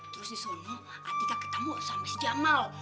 terus di sana atika ketemu sama si jamal